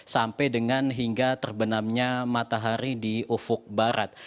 sampai dengan hingga terbenamnya matahari di ufuk barat